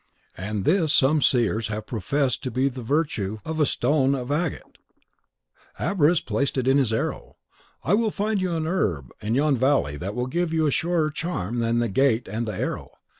And this some seers have professed to be the virtue of a stone of agate. Abaris placed it in his arrow. I will find you an herb in yon valley that will give a surer charm than the agate and the arrow.